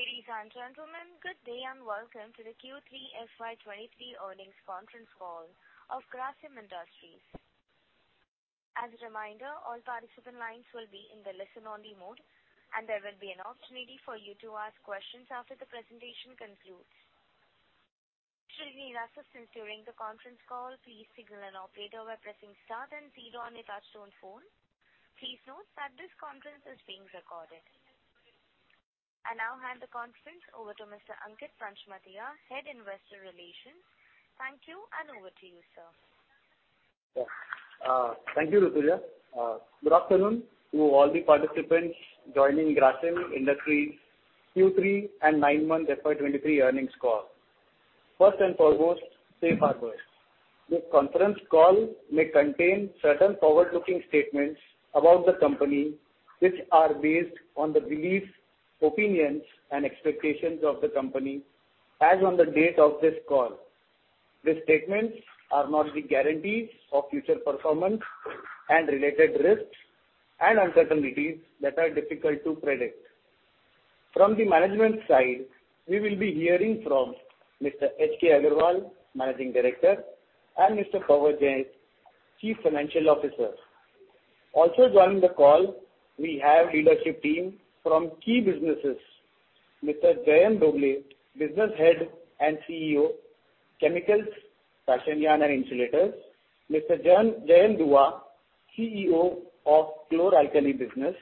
Ladies and gentlemen, good day and welcome to the Q3 FY 2023 Earnings Conference Call of Grasim Industries. As a reminder, all participant lines will be in the listen-only mode, and there will be an opportunity for you to ask questions after the presentation concludes. Should you need assistance during the conference call, please signal an operator by pressing star then zero on your touchtone phone. Please note that this conference is being recorded. I now hand the conference over to Mr. Ankit Panchmatia, Head, Investor Relations. Thank you, and over to you, sir. Thank you, Rutuja. Good afternoon to all the participants joining Grasim Industries Q3 and nine-month FY 2023 earnings call. First and foremost, safe harbors. This conference call may contain certain forward-looking statements about the company, which are based on the beliefs, opinions, and expectations of the company as on the date of this call. These statements are not the guarantees of future performance and related risks and uncertainties that are difficult to predict. From the management side, we will be hearing from Mr. H.K. Agarwal, Managing Director, and Mr. Pavan Jain, Chief Financial Officer. Also joining the call, we have leadership team from key businesses, Mr. Jayant Dhobley, Business Head and CEO, Chemicals, Fashion Yarn and Insulators, Mr. Jayant Dua, CEO of Chlor-Alkali Business,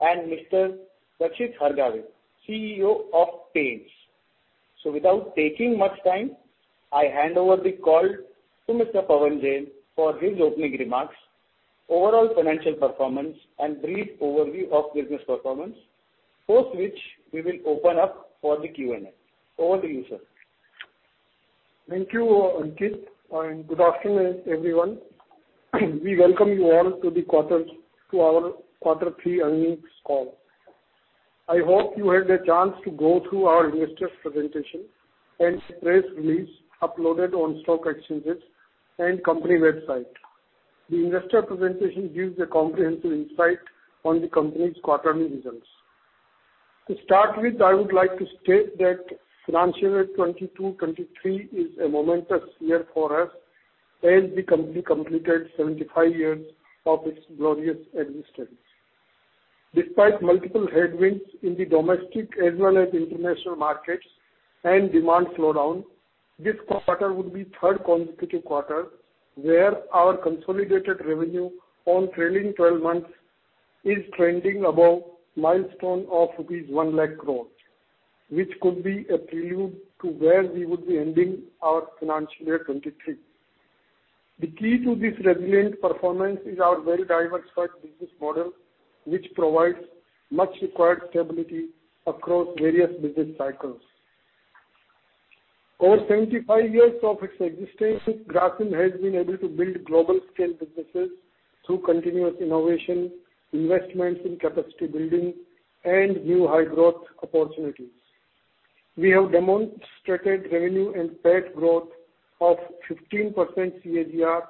and Mr. Rakshit Hargave, CEO of Paints. Without taking much time, I hand over the call to Mr. Pavan Jain for his opening remarks, overall financial performance, and brief overview of business performance. Post which, we will open up for the Q&A. Over to you, sir. Thank you, Ankit, and good afternoon, everyone. We welcome you all to our quarter three earnings call. I hope you had a chance to go through our investor presentation and press release uploaded on stock exchanges and company website. The investor presentation gives a comprehensive insight on the company's quarterly results. To start with, I would like to state that financial year 2022, 2023 is a momentous year for us, as the company completed 75 years of its glorious existence. Despite multiple headwinds in the domestic as well as international markets and demand slowdown, this quarter would be three consecutive quarter where our consolidated revenue on trailing 12 months is trending above milestone of rupees 1 lakh crore, which could be a prelude to where we would be ending our financial year 2023. The key to this resilient performance is our very diversified business model, which provides much required stability across various business cycles. Over 75 years of its existence, Grasim has been able to build global scale businesses through continuous innovation, investments in capacity building and new high growth opportunities. We have demonstrated revenue and PAT growth of 15% CAGR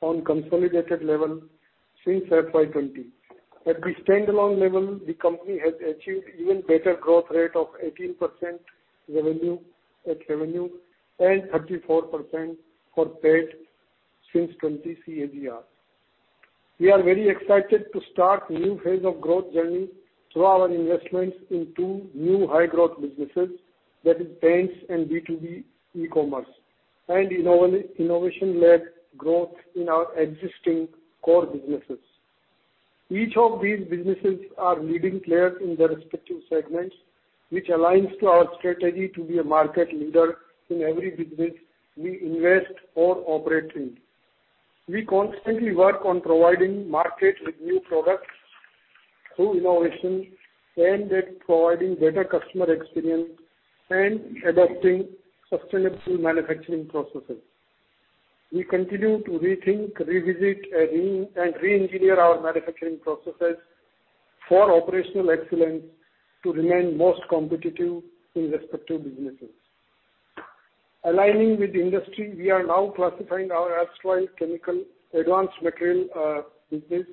on consolidated level since FY 2020. At the standalone level, the company has achieved even better growth rate of 18% revenue, PAT revenue and 34% for PAT since 20 CAGR. We are very excited to start new phase of growth journey through our investments in two new high growth businesses that is paints and B2B e-commerce and innovation-led growth in our existing core businesses. Each of these businesses are leading players in their respective segments, which aligns to our strategy to be a market leader in every business we invest or operate in. We constantly work on providing market with new products through innovation and at providing better customer experience and adopting sustainable manufacturing processes. We continue to rethink, revisit and reengineer our manufacturing processes for operational excellence to remain most competitive in respective businesses. Aligning with industry, we are now classifying our Astrochem Advanced Material Business,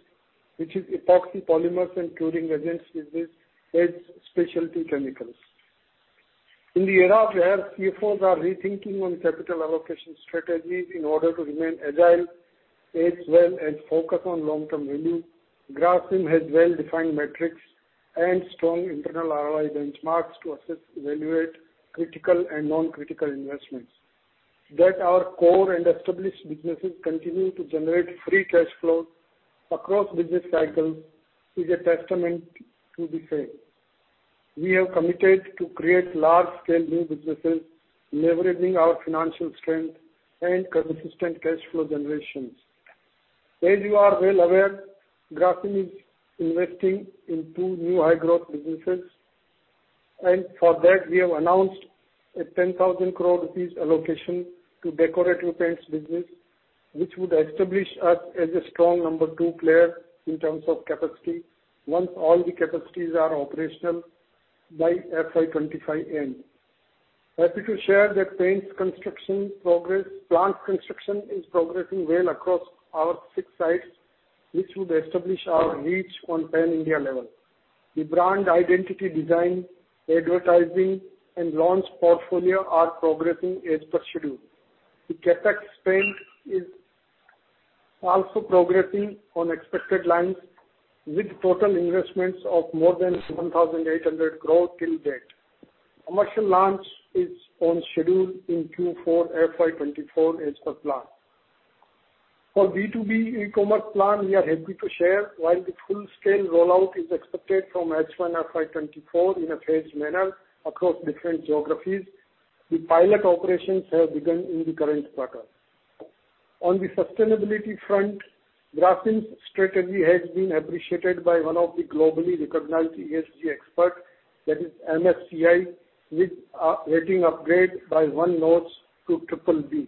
which is Epoxy Polymers and Curing Agents business as specialty chemicals. In the era where CFOs are rethinking on capital allocation strategies in order to remain agile as well as focus on long-term value, Grasim has well-defined metrics and strong internal ROI benchmarks to assess, evaluate critical and non-critical investments. That our core and established businesses continue to generate free cash flow across business cycles is a testament to be said. We have committed to create large scale new businesses, leveraging our financial strength and consistent cash flow generations. As you are well aware, Grasim is investing in two new high growth businesses, and for that we have announced an 10,000 crore rupees allocation to decorative paints business, which would establish us as a strong number two player in terms of capacity once all the capacities are operational by FY 2025 end. Happy to share that paints construction progress, plant construction is progressing well across our 6 sites, which would establish our reach on pan-India level. The brand identity design, advertising, and launch portfolio are progressing as per schedule. The CapEx spend is also progressing on expected lines with total investments of more than 1,800 crore till date. Commercial launch is on schedule in Q4 FY 2024 as per plan. For B2B e-commerce plan, we are happy to share while the full-scale rollout is expected from H1 FY 2024 in a phased manner across different geographies, the pilot operations have begun in the current quarter. On the sustainability front, Grasim's strategy has been appreciated by one of the globally recognized ESG expert, that is MSCI, with a rating upgrade by one notch to BBB.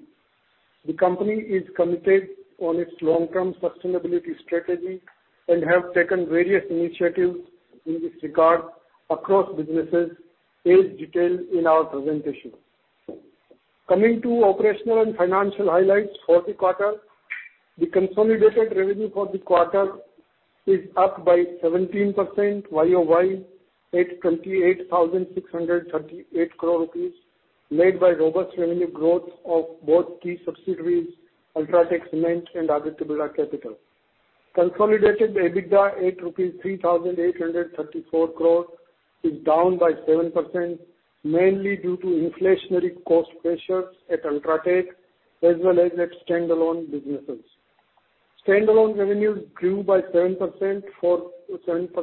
The company is committed on its long-term sustainability strategy and have taken various initiatives in this regard across businesses as detailed in our presentation. Coming to operational and financial highlights for the quarter. The consolidated revenue for the quarter is up by 17% YOY at INR 28,638 crore, led by robust revenue growth of both key subsidiaries, UltraTech Cement and Aditya Birla Capital. Consolidated EBITDA at 3,834 crore is down by 7%, mainly due to inflationary cost pressures at UltraTech as well as at standalone businesses. Standalone revenues grew by 7%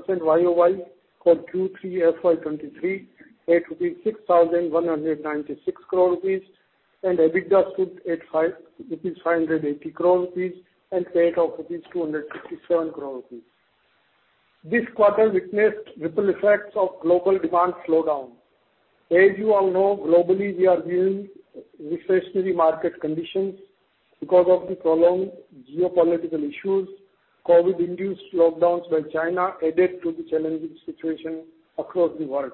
YOY for Q3 FY23 at 6,196 crore rupees, and EBITDA stood at 580 crore rupees and PAT of 267 crore rupees. This quarter witnessed ripple effects of global demand slowdown. As you all know, globally we are dealing with recessionary market conditions because of the prolonged geopolitical issues. Covid induced lockdowns by China added to the challenging situation across the world.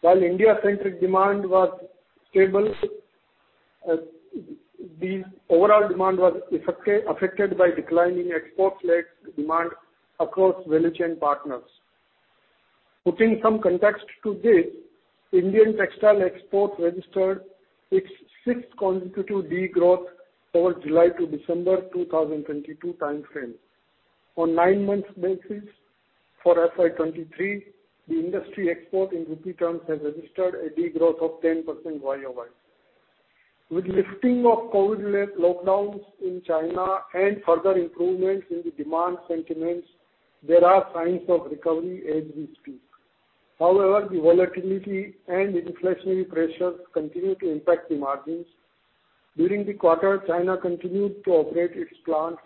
While India-centric demand was stable, the overall demand was affected by declining export-led demand across region partners. Putting some context to this, Indian textile exports registered its sixth consecutive degrowth over July to December 2022 time frame. On nine months basis for FY 2023, the industry export in rupee terms has registered a degrowth of 10% YOY. With lifting of Covid-led lockdowns in China and further improvements in the demand sentiments, there are signs of recovery as we speak. However, the volatility and inflationary pressures continue to impact the margins. During the quarter, China continued to operate its plants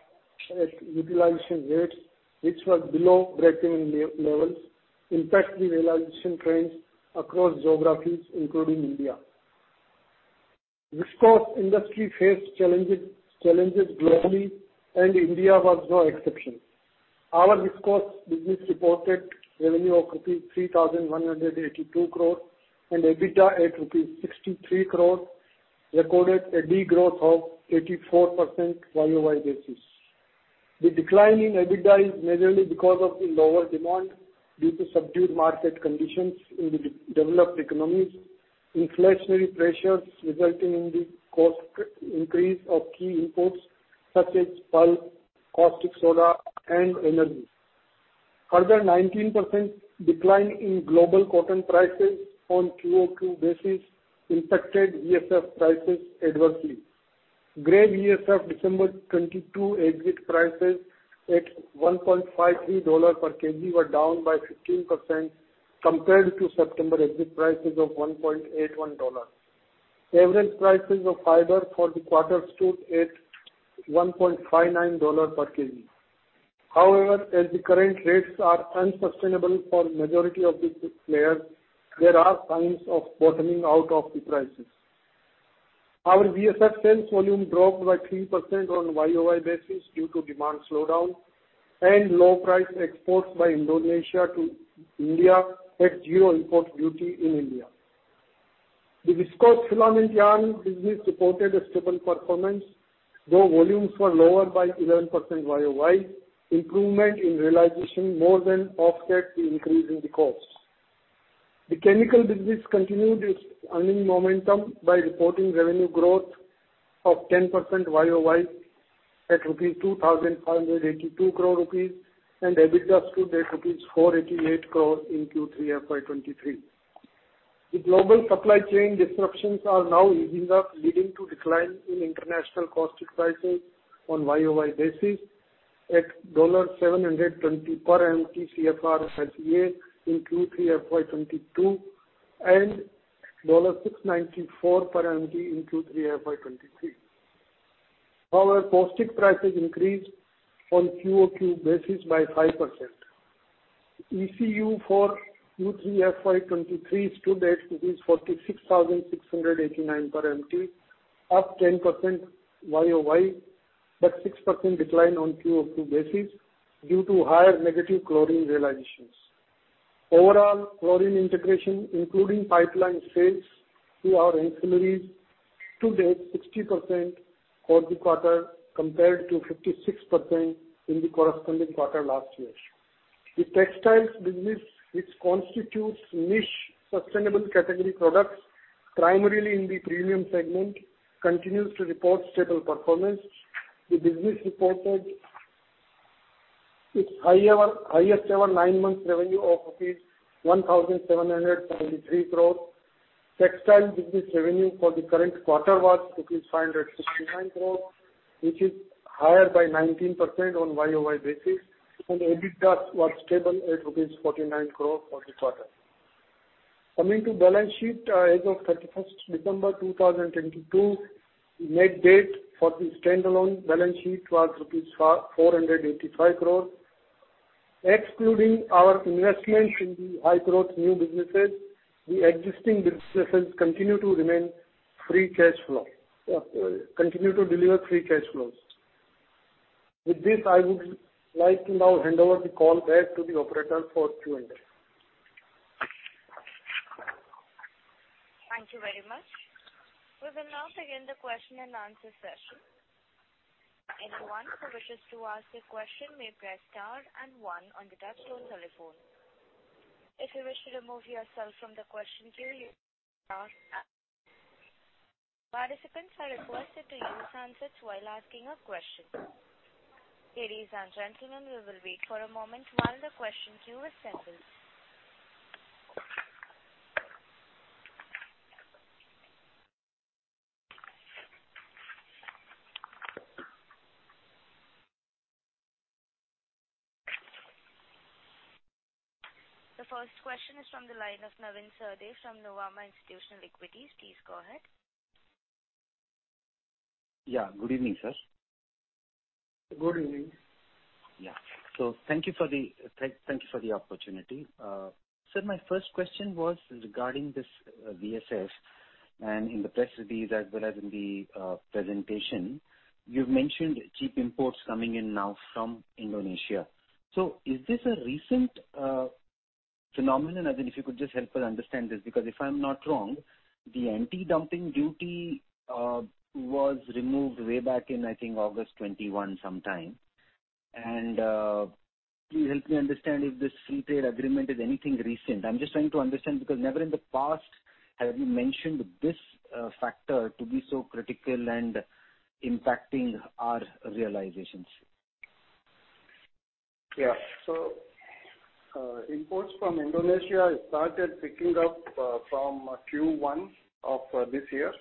at utilization rates which were below breakeven levels, impact the realization trends across geographies including India. Viscose industry faced challenges globally, and India was no exception. Our viscose business reported revenue of rupees 3,182 crore and EBITDA at rupees 63 crore recorded a degrowth of 84% YOY basis. The decline in EBITDA is majorly because of the lower demand due to subdued market conditions in the de-developed economies, inflationary pressures resulting in the cost increase of key imports such as pulp, caustic soda and energy. Further 19% decline in global cotton prices on QOQ basis impacted VSF prices adversely. Grade VSF December 2022 exit prices at $1.53 per kg were down by 15% compared to September exit prices of $1.81. Average prices of fiber for the quarter stood at $1.59 per kg. However, as the current rates are unsustainable for majority of the players, there are signs of bottoming out of the prices. Our VSF sales volume dropped by 3% on YOY basis due to demand slowdown and low price exports by Indonesia to India at zero import duty in India. The viscose filament yarn business reported a stable performance, though volumes were lower by 11% YOY. Improvement in realization more than offset the increase in the costs. The chemical business continued its earning momentum by reporting revenue growth of 10% YOY at 2,582 crore rupees, and EBITDA stood at rupees 488 crore in Q3 FY 2023. The global supply chain disruptions are now easing up, leading to decline in international caustic prices on YOY basis at $720 per MT CFR ICA in Q3 FY 2022 and $694 per MT in Q3 FY 2023. Our caustic prices increased on QOQ basis by 5%. ECU for Q3 FY23 stood at rupees 46,689 per MT, up 10% YOY. Six percent decline on QOQ basis due to higher negative chlorine realizations. Overall, chlorine integration, including pipeline sales to our ancillaries to date 60% for the quarter compared to 56% in the corresponding quarter last year. The textiles business, which constitutes niche sustainable category products primarily in the premium segment, continues to report stable performance. The business reported its highest ever nine month revenue of rupees 1,773 crore. Textile business revenue for the current quarter was rupees 569 crore, which is higher by 19% on YOY basis, and EBITDA was stable at rupees 49 crore for the quarter. Coming to balance sheet, as of 31st December 2022, we made date for the standalone balance sheet was rupees 485 crores. Excluding our investments in the high growth new businesses, the existing businesses continue to remain free cash flow. continue to deliver free cash flows. With this, I would like to now hand over the call back to the operator for Q&A. Thank you very much. We will now begin the question and answer session. Anyone who wishes to ask a question may press star and one on the touch tone telephone. If you wish to remove yourself from the question queue, Participants are requested to use handsets while asking a question. Ladies and gentlemen, we will wait for a moment while the question queue assembles. The first question is from the line of Navin Sahadeo from Nuvama Institutional Equities. Please go ahead. Yeah, good evening, sir. Good evening. Yeah. Thank you for the opportunity. Sir, my first question was regarding this VSF. In the press release as well as in the presentation, you've mentioned cheap imports coming in now from Indonesia. Is this a recent phenomenon? As in, if you could just help us understand this, because if I'm not wrong, the anti-dumping duty was removed way back in, I think, August 2021 sometime. Please help me understand if this free trade agreement is anything recent. I'm just trying to understand, because never in the past have you mentioned this factor to be so critical and impacting our realizations. Yeah. Imports from Indonesia started picking up from Q1 of this year.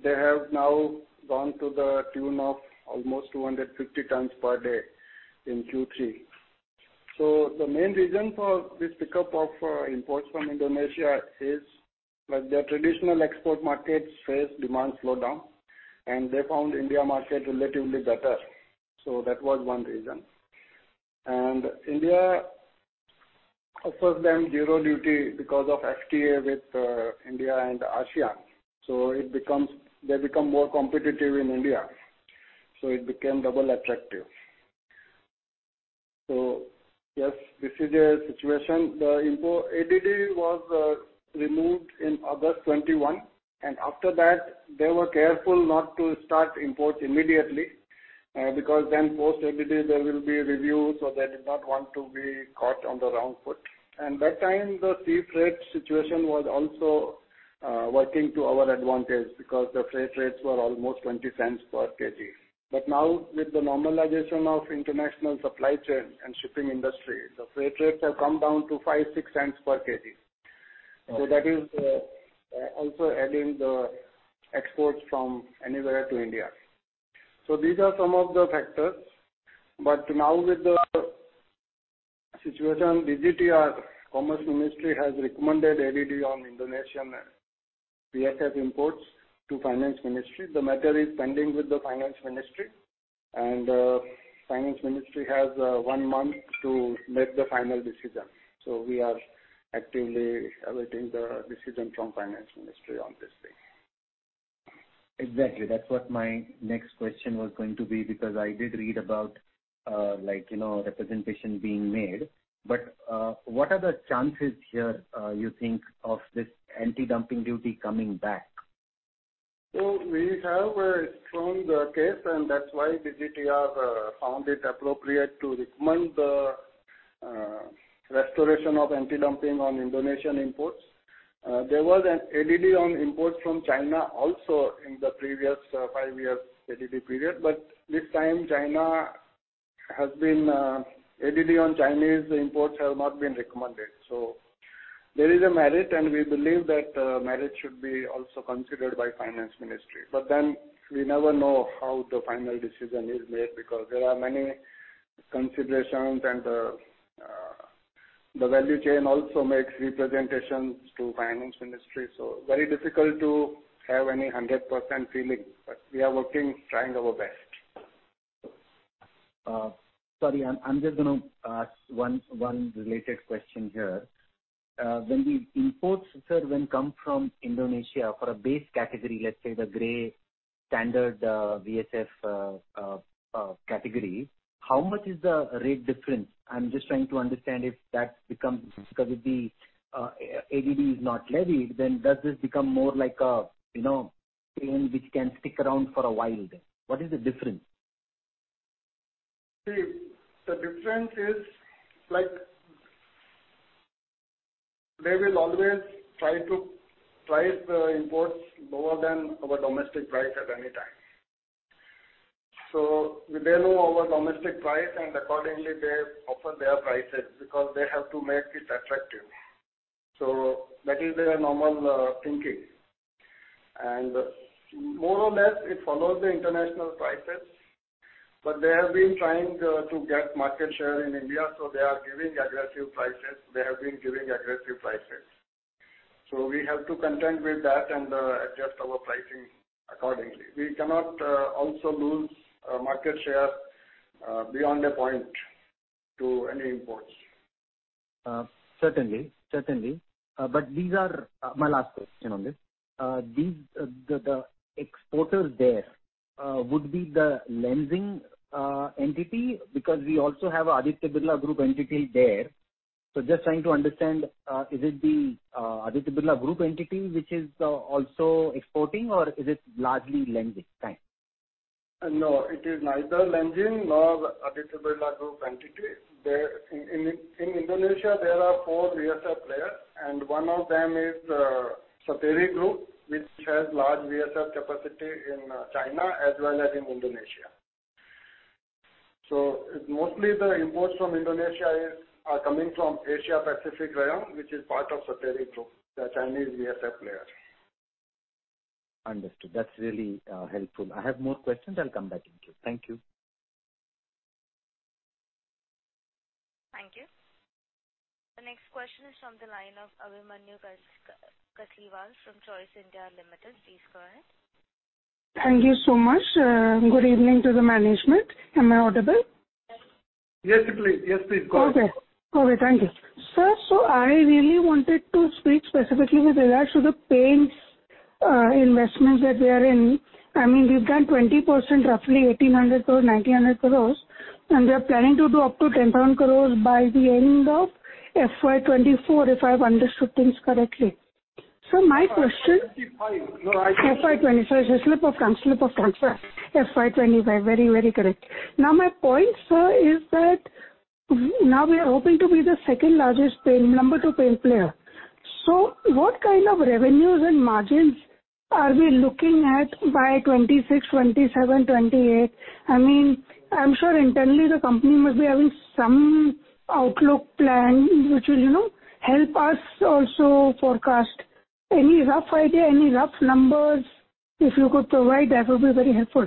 They have now gone to the tune of almost 250 tons per day in Q3. The main reason for this pickup of imports from Indonesia is that their traditional export markets face demand slowdown, and they found India market relatively better. That was one reason. India offers them zero duty because of FTA with India and ASEAN, so they become more competitive in India, so it became double attractive. Yes, this is a situation. The import ADD was removed in August 2021, and after that, they were careful not to start imports immediately, because then post ADD there will be reviews, so they did not want to be caught on the wrong foot. That time the sea freight situation was also working to our advantage because the freight rates were almost 20 cents per kg. Now with the normalization of international supply chain and shipping industry, the freight rates have come down to 5, 6 cents per kg. Okay. That is, also adding the exports from anywhere to India. These are some of the factors. Now with the situation, DGTR Commerce Ministry has recommended ADD on Indonesian VSF imports to Finance Ministry. The matter is pending with the Finance Ministry. Finance Ministry has one month to make the final decision. We are actively awaiting the decision from Finance Ministry on this thing. Exactly. That's what my next question was going to be, because I did read about, like, you know, representation being made. What are the chances here, you think of this anti-dumping duty coming back? We have shown the case, and that's why DGTR found it appropriate to recommend the restoration of anti-dumping on Indonesian imports. There was an ADD on imports from China also in the previous five years ADD period. This time China has been ADD on Chinese imports have not been recommended. There is a merit, and we believe that merit should be also considered by Finance Ministry. We never know how the final decision is made because there are many considerations and the value chain also makes representations to Finance Ministry. Very difficult to have any 100% feeling. We are working, trying our best. Sorry, I'm just gonna ask one related question here. When the imports, sir, when come from Indonesia for a base category, let's say the gray standard VSF category, how much is the rate difference? I'm just trying to understand if that becomes, because if the ADD is not levied, then does this become more like a, you know, pain which can stick around for a while then? What is the difference? See, the difference is, like, they will always try to price the imports lower than our domestic price at any time. They know our domestic price, and accordingly they offer their prices because they have to make it attractive. That is their normal thinking. More or less it follows the international prices. They have been trying to get market share in India, they are giving aggressive prices. They have been giving aggressive prices. We have to contend with that and adjust our pricing accordingly. We cannot also lose market share beyond a point to any imports. Certainly. Certainly. My last question on this. These, the exporters there, would be the Lenzing entity because we also have Aditya Birla Group entity there. Just trying to understand, is it the Aditya Birla Group entity which is also exporting or is it largely Lenzing? Thanks. No, it is neither Lenzing nor the Aditya Birla Group entity. There, in Indonesia there are four VSF players, and one of them is Sateri Group, which has large VSF capacity in China as well as in Indonesia. Mostly the imports from Indonesia are coming from Asia Pacific Rayon, which is part of Sateri Group, the Chinese VSF player. Understood. That's really helpful. I have more questions. I'll come back to you. Thank you. Thank you. The next question is from the line of Abhimanyu Kasliwal from Choice India Limited. Please go ahead. Thank you so much. Good evening to the management. Am I audible? Yes, please. Yes, please. Go ahead. Okay. Okay. Thank you. Sir, I really wanted to speak specifically with regards to the paints investments that we are in. I mean, you've done 20%, roughly 1,800 crores, 1,900 crores, and we are planning to do up to 10,000 crores by the end of FY 2024, if I've understood things correctly. Sir, my question. It's 25. No, I. FY. Sorry, it's a slip of tongue. Slip of tongue, sir. Yes. FY 2025. Very, very correct. Now, my point, sir, is that now we are hoping to be the second-largest paint, number two paint player. What kind of revenues and margins are we looking at by 2026, 2027, 2028? I mean, I'm sure internally the company must be having some outlook plan which will, you know, help us also forecast. Any rough idea, any rough numbers if you could provide, that would be very helpful.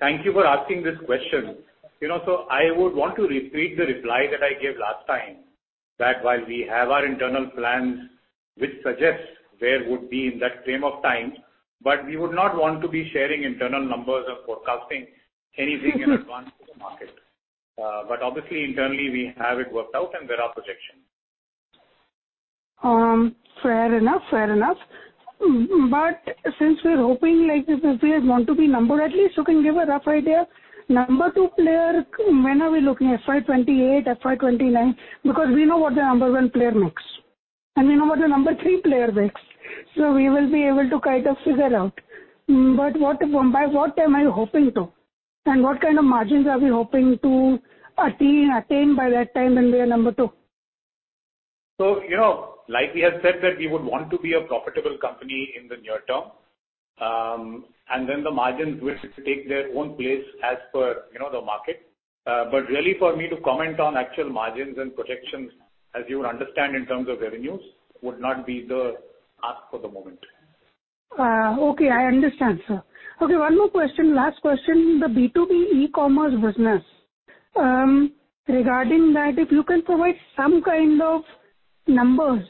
Thank you for asking this question. You know, I would want to repeat the reply that I gave last time, that while we have our internal plans, which suggests where we'd be in that frame of time, but we would not want to be sharing internal numbers or forecasting anything in advance to the market. Mm-hmm. Obviously internally we have it worked out and there are projections. Fair enough. Fair enough. Since we're hoping like this, if we want to be number, at least you can give a rough idea. Number two player, when are we looking? FY 2028, FY 2029? We know what the number one player makes, and we know what the number three player makes, so we will be able to kind of figure out. What, by what time are you hoping to, and what kind of margins are we hoping to attain by that time when we are number two? You know, like we have said, that we would want to be a profitable company in the near term. The margins will take their own place as per, you know, the market. For me to comment on actual margins and projections as you would understand in terms of revenues would not be the ask for the moment. Okay. I understand, sir. One more question, last question. The B2B e-commerce business, regarding that, if you can provide some kind of numbers.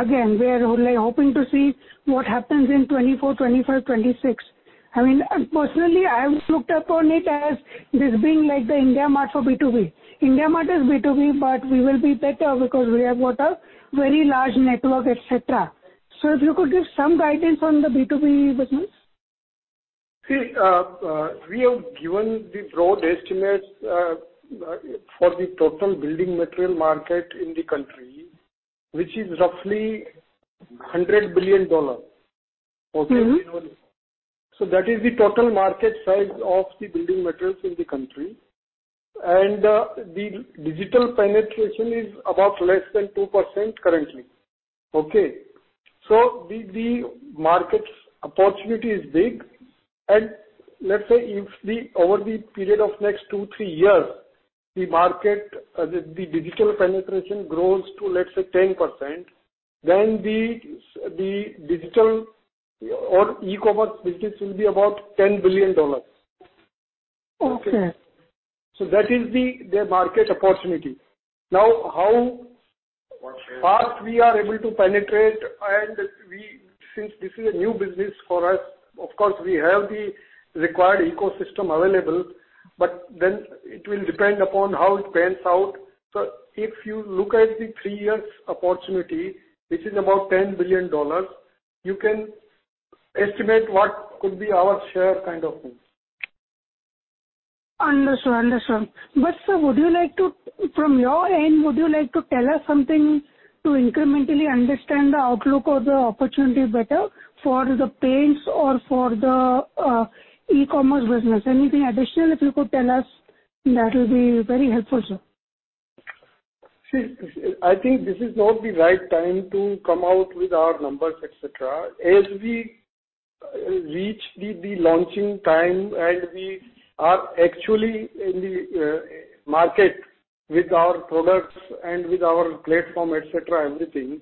Again, we are only hoping to see what happens in 2024, 2025, 2026. I mean, personally, I've looked upon it as this being like theIndiaMART for B2B.IndiaMART is B2B, but we will be better because we have got a very large network, et cetera. If you could give some guidance on the B2B business. We have given the broad estimates for the total building material market in the country, which is roughly $100 billion. Mm-hmm. Okay. That is the total market size of the building materials in the country. The digital penetration is about less than 2% currently. Okay? The market opportunity is big. Let's say if the, over the period of next two, three years, the market, the digital penetration grows to, let's say, 10%, then the digital or e-commerce business will be about $10 billion. Okay. That is the market opportunity. How fast we are able to penetrate and since this is a new business for us, of course we have the required ecosystem available, but then it will depend upon how it pans out. If you look at the three years opportunity, which is about $10 billion, you can estimate what could be our share kind of thing. Understood. Understood. Sir, from your end, would you like to tell us something to incrementally understand the outlook or the opportunity better for the paints or for the e-commerce business? Anything additional if you could tell us, that will be very helpful, sir. I think this is not the right time to come out with our numbers, et cetera. As we reach the launching time and we are actually in the market with our products and with our platform, et cetera, everything,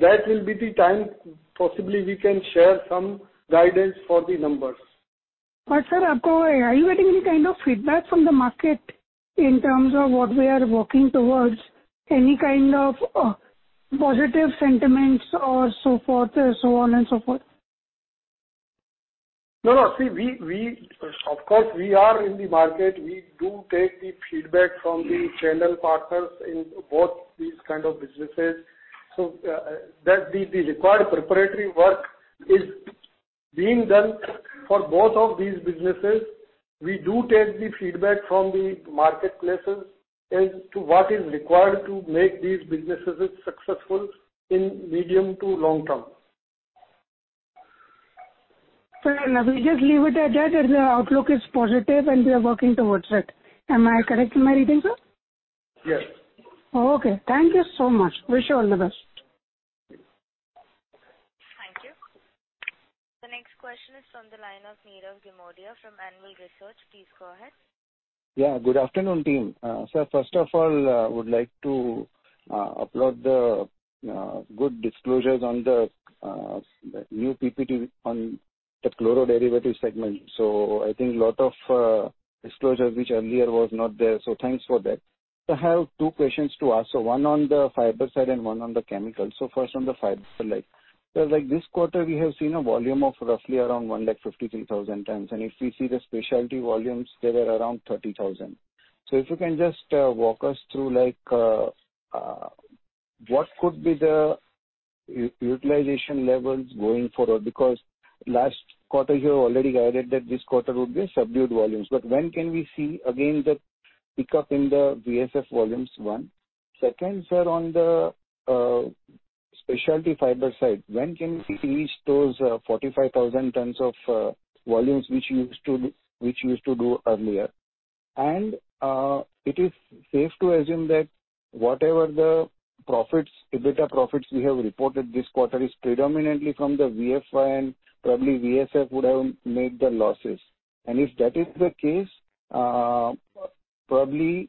that will be the time possibly we can share some guidance for the numbers. Sir, are you getting any kind of feedback from the market in terms of what we are working towards? Any kind of, positive sentiments or so forth, so on and so forth? No, no. See, we of course, we are in the market. We do take the feedback from the channel partners in both these kind of businesses. That the required preparatory work is being done for both of these businesses. We do take the feedback from the marketplaces as to what is required to make these businesses successful in medium to long term. Sir, we just leave it at that, as the outlook is positive and we are working towards it. Am I correct in my reading, sir? Yes. Okay, thank you so much. Wish you all the best. Thank you. The next question is from the line of Nirav Jimudia from Anvil Research. Please go ahead. Yeah, good afternoon team. Sir, first of all, I would like to applaud the good disclosures on the new PPT on the chloro derivative segment. I think a lot of disclosures which earlier was not there, thanks for that. I have two questions to ask. One on the fiber side and one on the chemical. First on the fiber side. Like this quarter we have seen a volume of roughly around 153,000 tons, and if we see the specialty volumes, they were around 30,000. If you can just walk us through like what could be the utilization levels going forward. Because last quarter you already guided that this quarter would be subdued volumes. When can we see again the pickup in the VSF volumes? One. Second, sir, on the specialty fiber side, when can we see reach those 45,000 tons of volumes which you used to do earlier? It is safe to assume that whatever the profits, EBITDA profits you have reported this quarter is predominantly from the VFI and probably VSF would have made the losses. If that is the case, probably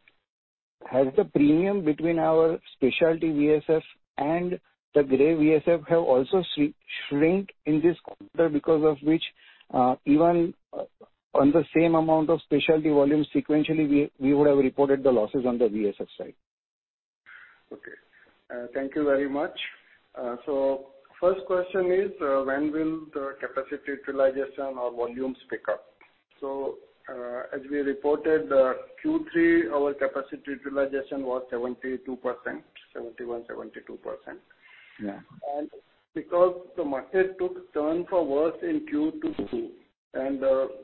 has the premium between our specialty VSF and the gray VSF have also shrinked in this quarter because of which, even on the same amount of specialty volume sequentially, we would have reported the losses on the VSF side. Okay. Thank you very much. First question is, when will the capacity utilization or volumes pick up? As we reported, Q3, our capacity utilization was 72%, 71, 72%. Yeah. The market took turn for worse in Q2, too, and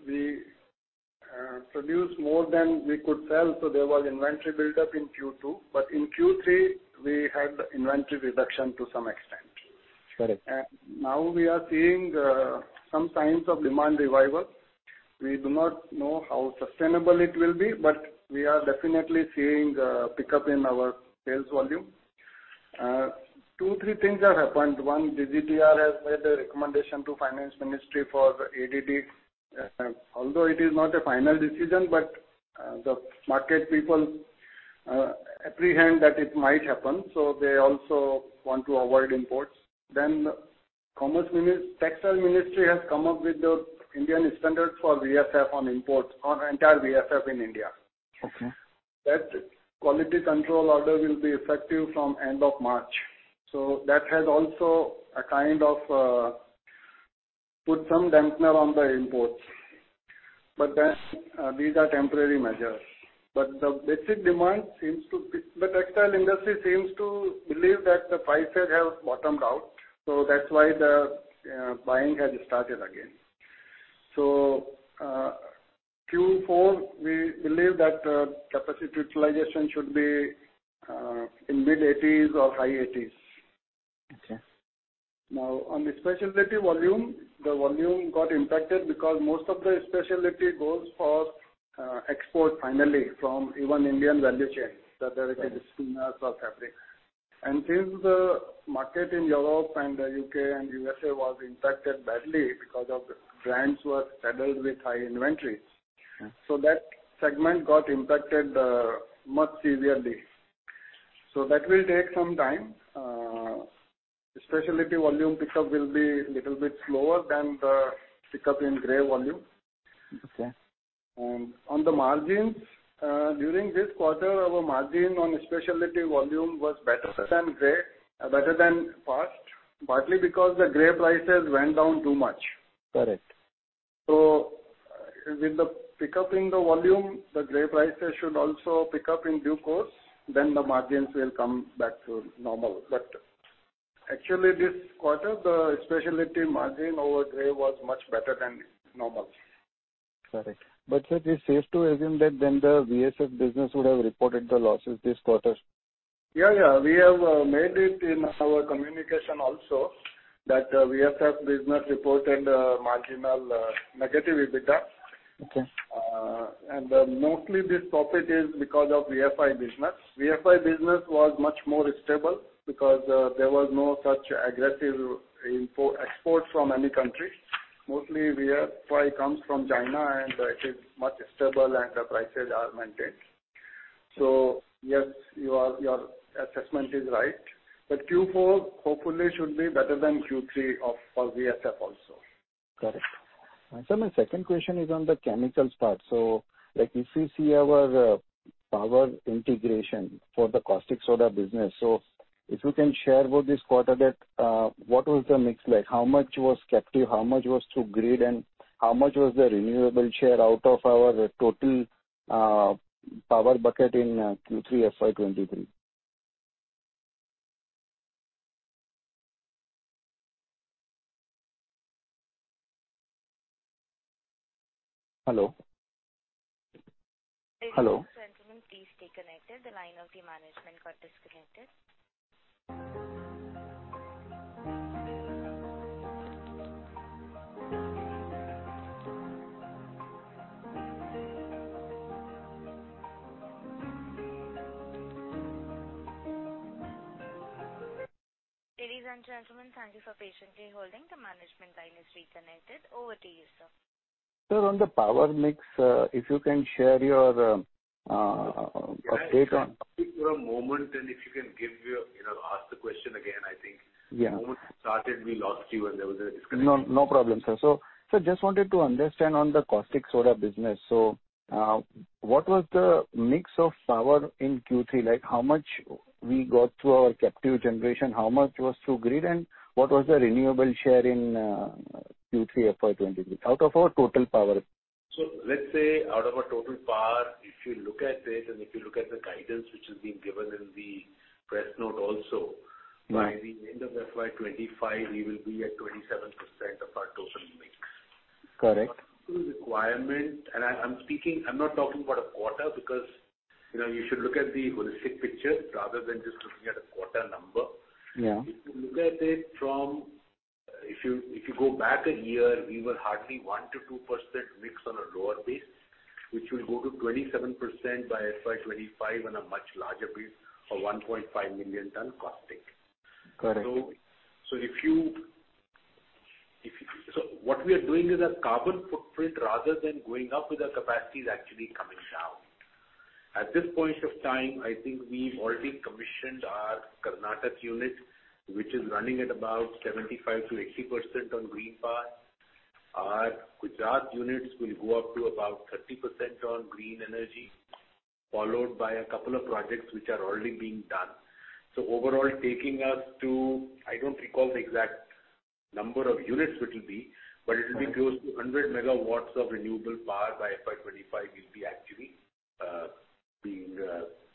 we produced more than we could sell. There was inventory build-up in Q2. In Q3 we had the inventory reduction to some extent. Got it. Now we are seeing some signs of demand revival. We do not know how sustainable it will be, but we are definitely seeing a pickup in our sales volume. Two, three things have happened. One, DGTR has made a recommendation to Finance Ministry for the ADT. Although it is not a final decision, but the market people apprehend that it might happen, so they also want to avoid imports. Ministry of Textiles has come up with the Indian standard for VSF on imports on entire VSF in India. Okay. That Quality Control Order will be effective from end of March. That has also a kind of put some dampener on the imports. These are temporary measures. The basic demand the textile industry seems to believe that the fiber has bottomed out. That's why the buying has started again. Q4, we believe that capacity utilization should be in mid-eighties or high eighties. Okay. On the specialty volume, the volume got impacted because most of the specialty goes for export finally from even Indian value chain, the derivative spinning or fabric. Since the market in Europe and the U.K. and U.S.A. was impacted badly because of brands were saddled with high inventory. Yeah. That segment got impacted, much severely. That will take some time. Specialty volume pickup will be little bit slower than the pickup in gray volume. Okay. On the margins, during this quarter our margin on specialty volume was better than gray, better than past, partly because the gray prices went down too much. Correct. With the pickup in the volume, the gray prices should also pick up in due course, then the margins will come back to normal. Actually this quarter, the specialty margin over gray was much better than normal. Correct. Sir, it's safe to assume that then the VSF business would have reported the losses this quarter. Yeah, yeah. We have made it in our communication also that VSF business reported a marginal negative EBITDA. Okay. Mostly this profit is because of VFI business. VFI business was much more stable because there was no such aggressive export from any country. Mostly VFI comes from China and it is much stable and the prices are maintained. Yes, your assessment is right. Q4 hopefully should be better than Q3 for VSF also. Got it. Sir, my second question is on the chemicals part. Like if you see our power integration for the caustic soda business. If you can share about this quarter that what was the mix like? How much was captive? How much was through grid? How much was the renewable share out of our total power bucket in Q3 FY 2023? Hello? Hello? Ladies and gentlemen, please stay connected. The line of the management got disconnected. Ladies and gentlemen, thank you for patiently holding. The management line is reconnected. Over to you, sir. Sir, on the power mix, if you can share your update on- Yeah. Just for a moment, if you can give your, you know, ask the question again, I think. Yeah. The moment you started we lost you and there was a disconnection. No, no problem, sir. Sir, just wanted to understand on the caustic soda business. What was the mix of power in Q3? Like, how much we got through our captive generation, how much was through grid, and what was the renewable share in Q3 FY 2023 out of our total power? Let's say out of our total power, if you look at it and if you look at the guidance which is being given in the press note also. Mm-hmm. By the end of FY 2025 we will be at 27% of our total mix. Correct. Total requirement. I'm not talking about a quarter because, you know, you should look at the holistic picture rather than just looking at a quarter number. Yeah. If you look at it from, if you go back a year, we were hardly 1%-2% mix on a lower base, which will go to 27% by FY25 on a much larger base of 1.5 million ton caustic. Correct. What we are doing is our carbon footprint rather than going up with our capacity is actually coming down. At this point of time, I think we've already commissioned our Karnataka unit, which is running at about 75%-80% on green power. Our Gujarat units will go up to about 30% on green energy, followed by a couple of projects which are already being done. Overall, taking us to, I don't recall the exact number of units it will be, but it will be close to 100 MW of renewable power by FY 2025 we'll be actually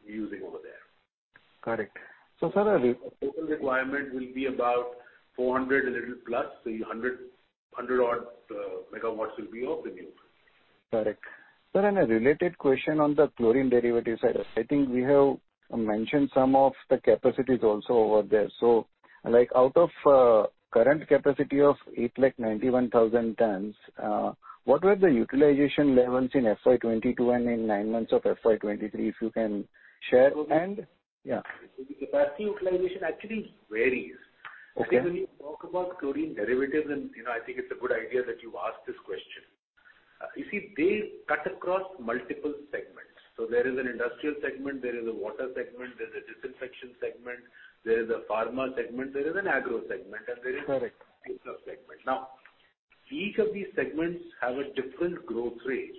using over there. Correct. Total requirement will be about 400 a little plus, so 100-odd MW will be of renewables. Correct. Sir, a related question on the chlorine derivative side. I think we have mentioned some of the capacities also over there. Like out of, current capacity of 891,000 tons, what were the utilization levels in FY 2022 and in 9 months of FY 2023, if you can share? Yeah. Capacity utilization actually varies. Okay. I think when you talk about chlorine derivatives and, you know, I think it's a good idea that you ask this question. You see, they cut across multiple segments. There is an industrial segment, there is a water segment, there's a disinfection segment, there is a pharma segment, there is an agro segment, and there is- Correct. segment. Each of these segments have a different growth rate,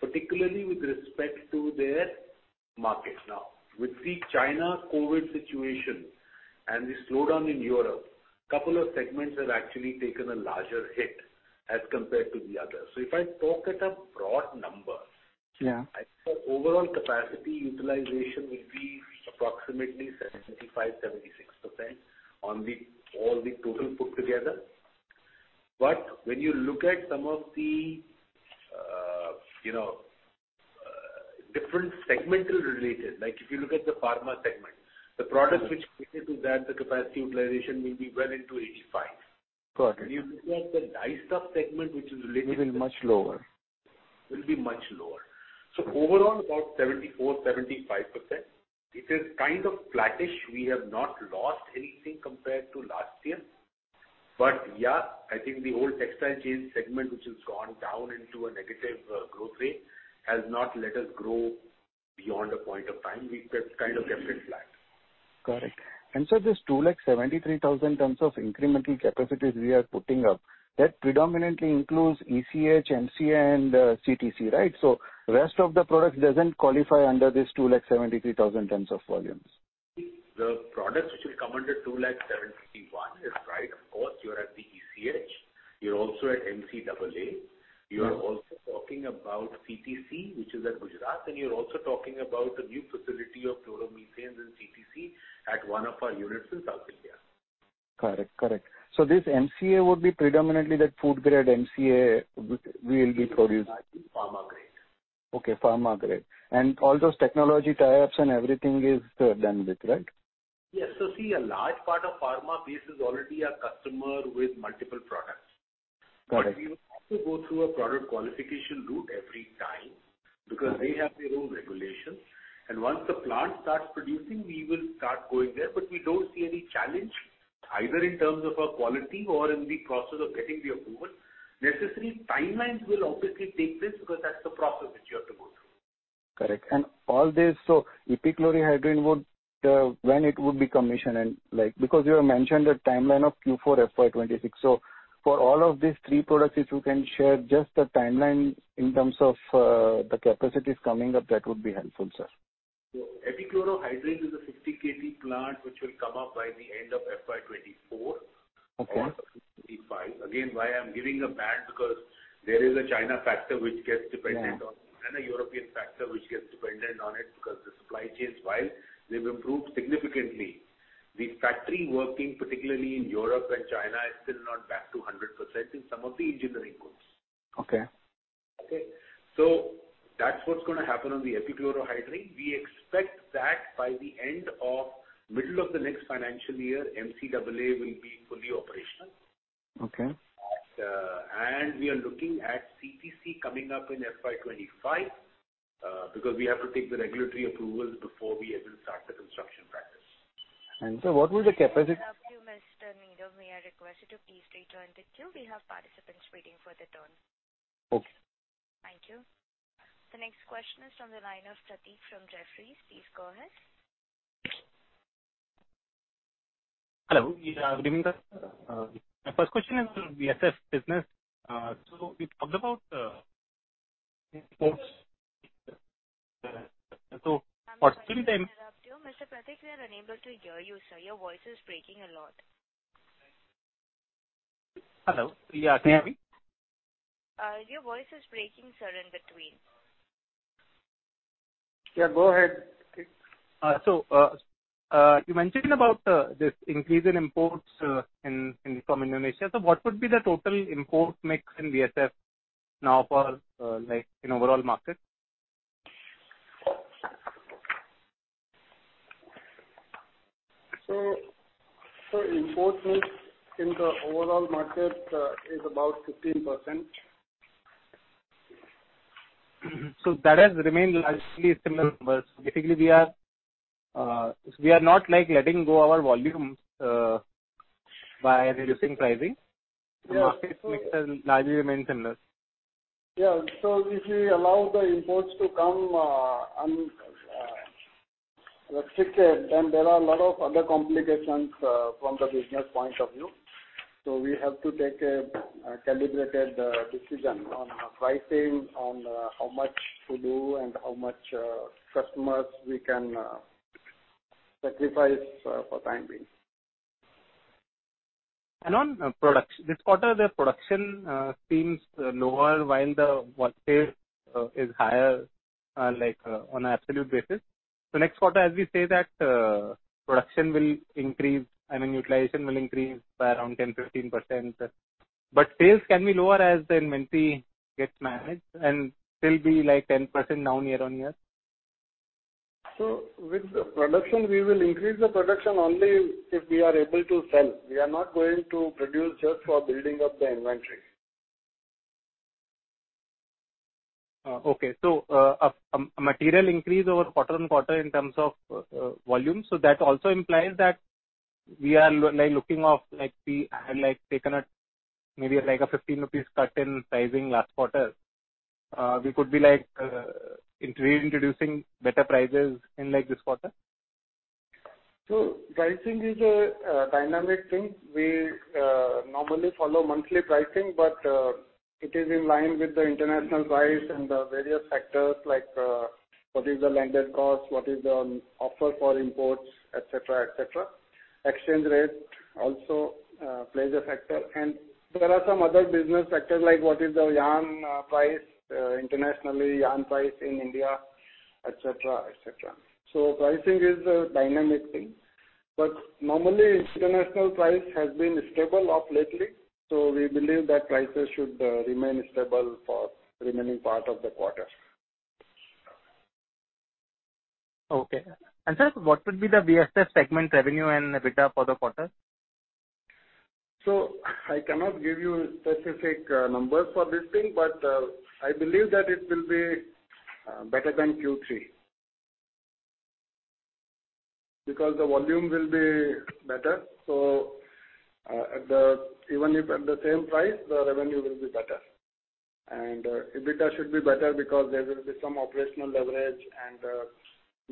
particularly with respect to their market. With the China COVID situation and the slowdown in Europe, couple of segments have actually taken a larger hit as compared to the others. If I talk at a broad number. Yeah. I think our overall capacity utilization will be approximately 75%-76% on the, all the total put together. When you look at some of the, you know, different segmental related, like if you look at the pharma segment. Mm-hmm. The products which fit into that, the capacity utilization will be well into 85%. Got it. If you look at the dyestuff segment, which is related. Will be much lower. Will be much lower. Overall about 74%, 75%. It is kind of flattish. We have not lost anything compared to last year. Yeah, I think the whole textile chain segment, which has gone down into a negative growth rate, has not let us grow beyond a point of time. We've kept kind of kept it flat. Correct. This 273,000 tons of incremental capacities we are putting up, that predominantly includes ECH, MCA, and CTC, right? Rest of the products doesn't qualify under this 273,000 tons of volumes. The products which will come under 271,000 is right. Of course, you're at the ECH. You're also at MFAA. You are also talking about CTC, which is at Gujarat, and you're also talking about the new facility of chloromethanes and CTC at one of our units in South India. Correct. Correct. This MCA would be predominantly that food grade MCA we will be producing. Pharma grade. Okay, pharma grade. All those technology tie-ups and everything is done with, right? Yes. See, a large part of pharma base is already a customer with multiple products. Correct. We will have to go through a product qualification route every time because they have their own regulations. Once the plant starts producing, we will start going there. We don't see any challenge either in terms of our quality or in the process of getting the approval. Necessary timelines will obviously take this because that's the process which you have to go through. Correct. All this, so epichlorohydrin would, when it would be commissioned? You have mentioned a timeline of Q4 FY 2026. For all of these three products, if you can share just the timeline in terms of, the capacities coming up, that would be helpful, sir. Epichlorohydrin is a 50 KT plant which will come up by the end of FY 2024. Okay. 2025. Again, why I'm giving a band because there is a China factor which gets. Yeah. On and a European factor which gets dependent on it because the supply chains, while they've improved significantly, the factory working, particularly in Europe and China, is still not back to 100% in some of the engineering goods. Okay. Okay? That's what's going to happen on the epichlorohydrin. We expect that by the end of middle of the next financial year, MFAA will be fully operational. Okay. We are looking at CTC coming up in FY 2025 because we have to take the regulatory approvals before we even start the construction practice. What will the capacity? Mr. Mehdumir requested to please return the queue. We have participants waiting for their turn. Okay. Thank you. The next question is from the line of Pratik from Jefferies. Please go ahead. Hello. Good evening, sir. My first question is VSF business. We talked about imports. I'm sorry to interrupt you, Mr. Pratik. We are unable to hear you, sir. Your voice is breaking a lot. Hello. Yeah, can you hear me? Your voice is breaking, sir, in between. Yeah, go ahead, Pratik. You mentioned about this increase in imports from Indonesia. What would be the total import mix in VSF now for in overall market? Import mix in the overall market, is about 15%. That has remained largely similar numbers. Basically, we are not like letting go our volumes by reducing pricing. Yeah. The market mix has largely remained similar. Yeah. If we allow the imports to come unrestricted, then there are a lot of other complications from the business point of view. We have to take a calibrated decision on pricing, on how much to do and how much customers we can sacrifice for time being. On production. This quarter, the production seems lower, while the work here is higher on absolute basis. Next quarter, as we say that, production will increase, I mean, utilization will increase by around 10%-15%. Sales can be lower as the inventory gets managed and still be 10% down YOY. With the production, we will increase the production only if we are able to sell. We are not going to produce just for building up the inventory. Okay. A material increase over quarter-on-quarter in terms of volume. That also implies that we are looking of like we had taken a maybe a 15 rupees cut in pricing last quarter. We could be like reintroducing better prices in this quarter. Pricing is a dynamic thing. We normally follow monthly pricing, but it is in line with the international price and the various factors like what is the landed cost, what is the offer for imports, et cetera, et cetera. Exchange rate also plays a factor. There are some other business factors like what is the yarn price internationally, yarn price in India, et cetera, et cetera. Pricing is a dynamic thing. Normally international price has been stable off lately, so we believe that prices should remain stable for remaining part of the quarter. Okay. Sir, what would be the VSF segment revenue and EBITDA for the quarter? I cannot give you specific numbers for this thing, but I believe that it will be better than Q3. Because the volume will be better. Even if at the same price, the revenue will be better. EBITDA should be better because there will be some operational leverage and,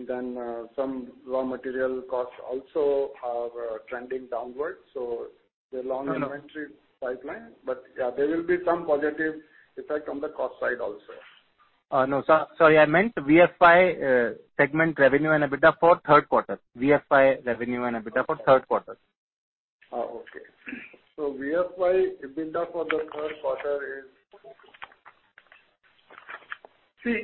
then, some raw material costs also are trending downwards. The long inventory pipeline. Yeah, there will be some positive effect on the cost side also. No, sir. Sorry. I meant VSF segment revenue and EBITDA for third quarter. VSF revenue and EBITDA for third quarter. Oh, okay. VSI EBITDA for the third quarter is, See,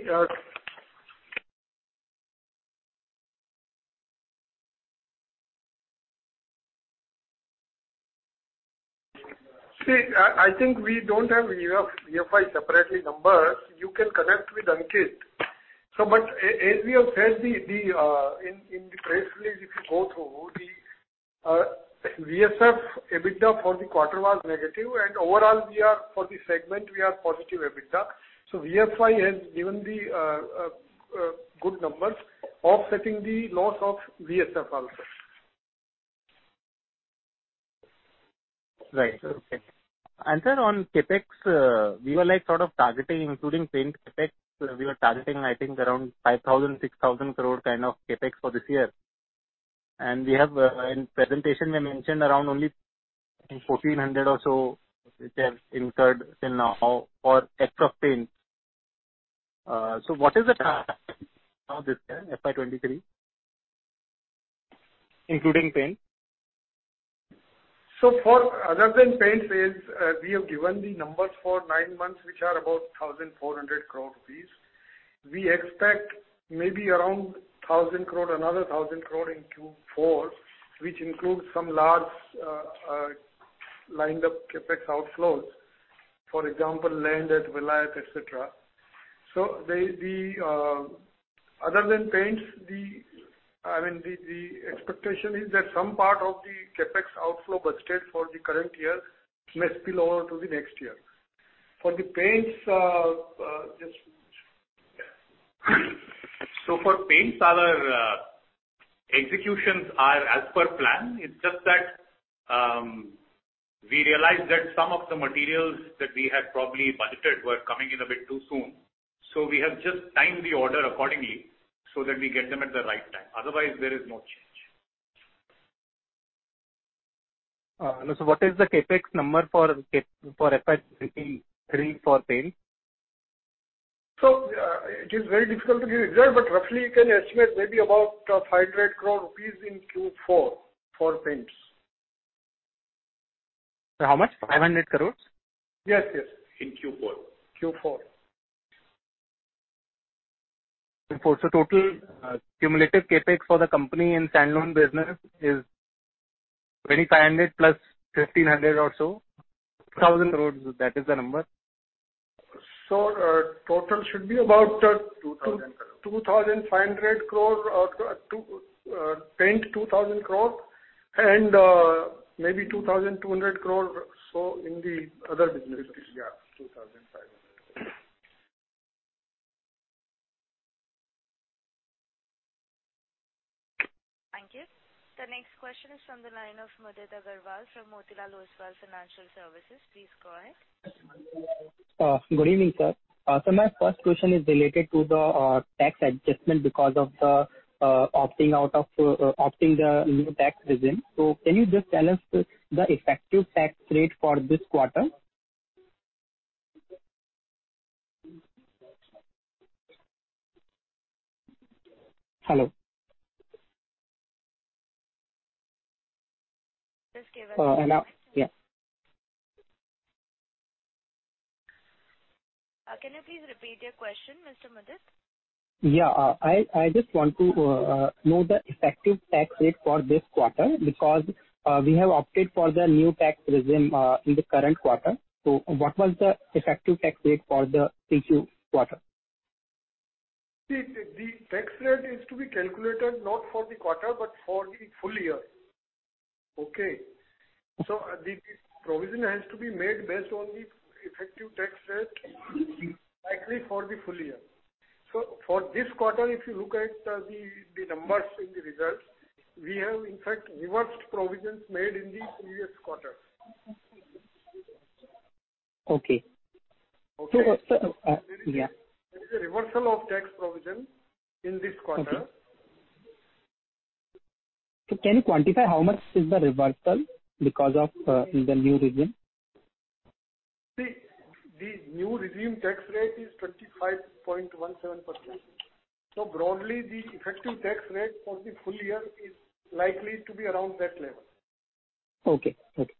I think we don't have VF, VSI separately numbers. You can connect with Ankit. As we have said, the, in the press release, if you go through, the, VSF EBITDA for the quarter was negative. Overall, for the segment, we are positive EBITDA. VSI has given the good numbers offsetting the loss of VSF also. Right. Okay. Sir, on CapEx, we were targeting, including paint CapEx, around 5,000-6,000 crore kind of CapEx for this year. We have, in presentation we mentioned around only 1,400 or so which have incurred till now for extra paint. What is the target now this year, FY 23, including paint? For other than paints, we have given the numbers for nine months, which are about 1,400 crore rupees. We expect maybe around 1,000 crore, another 1,000 crore in Q4, which includes some large lined up CapEx outflows, for example, land at Vizag, et cetera. Other than paints, the expectation is that some part of the CapEx outflow budget for the current year may spill over to the next year. For the paints, just For paints, our executions are as per plan. It's just that, we realized that some of the materials that we had probably budgeted were coming in a bit too soon. We have just timed the order accordingly so that we get them at the right time. Otherwise, there is no change. What is the CapEx number for FY23 for paint? It is very difficult to give exact, but roughly you can estimate maybe about 500 crore rupees in Q4 for paints. How much? 500 crores? Yes, yes. In Q4. Q4. Q4. Total cumulative CapEx for the company in standalone business is 2,500 plus 1,500 or so, 1,000 crores, that is the number? Total should be about 2,000 crores. 2,500 crore. paint 2,000 crore maybe 2,200 crore, so in the other businesses. Yeah, 2,500. Thank you. The next question is from the line of Mudit Agarwal from Motilal Oswal Financial Services. Please go ahead. Good evening, sir. My first question is related to the tax adjustment because of opting the new tax regime. Can you just tell us the effective tax rate for this quarter? Hello? Just give us a minute. Now, yeah. Can you please repeat your question, Mr. Mudit? Yeah. I just want to know the effective tax rate for this quarter because we have opted for the new tax regime in the current quarter. What was the effective tax rate for the Q2 quarter? The tax rate is to be calculated not for the quarter but for the full year. Okay? The provision has to be made based on the effective tax rate likely for the full year. For this quarter, if you look at the numbers in the results, we have in fact reversed provisions made in the previous quarter. Okay. Okay? sir, yeah. There is a reversal of tax provision in this quarter. Okay. Can you quantify how much is the reversal because of the new regime? The new regime tax rate is 35.17%. Broadly, the effective tax rate for the full year is likely to be around that level. Okay. Okay.